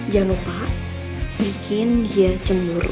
jangan lupa bikin dia cemburu